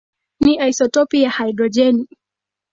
ni isotopi ya hidrojeni.